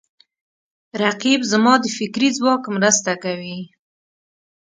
رقیب زما د فکري ځواک مرسته کوي